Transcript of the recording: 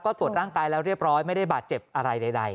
ก็ตรวจร่างกายแล้วเรียบร้อยไม่ได้บาดเจ็บอะไรใด